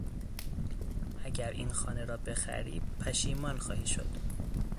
اگر این خانه را بخری پشیمان خواهی شد.